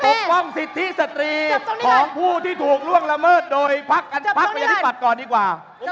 ปกป้องสิทธิสตรีของผู้ที่ถูกล่วงละเมิดโดยภักดิ์ปรับก่อนดีกว่า